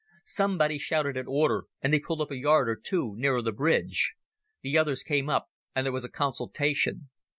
Somebody shouted an order and they pulled up a yard or two nearer the bridge. The others came up and there was a consultation.